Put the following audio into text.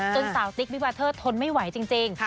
สาวติ๊กวิวาเทอร์ทนไม่ไหวจริง